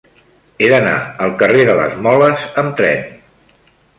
He d'anar al carrer de les Moles amb tren.